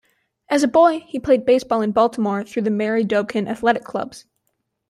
As a boy he played baseball in Baltimore through the Mary Dobkin Athletic Clubs.